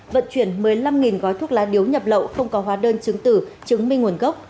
vận chuyển một mươi năm gói thuốc lá điếu nhập lậu không có hóa đơn chứng tử chứng minh nguồn gốc